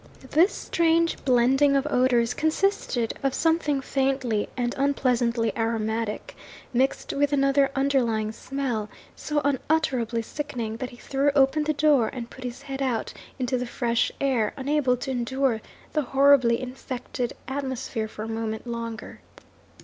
This strange blending of odours consisted of something faintly and unpleasantly aromatic, mixed with another underlying smell, so unutterably sickening that he threw open the window, and put his head out into the fresh air, unable to endure the horribly infected atmosphere for a moment longer.